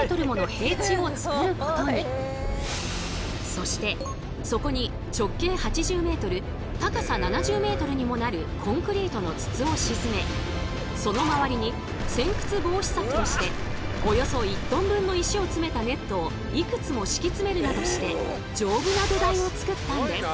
そしてそこに直径８０ｍ高さ７０ｍにもなるコンクリートの筒を沈めその周りに洗掘防止策としておよそ１トン分の石を詰めたネットをいくつも敷き詰めるなどして丈夫な土台をつくったんです。